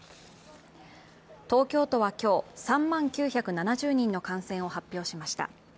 東京都は今日、３万９７０人の感染を発表しました。